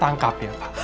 tangkap ya pak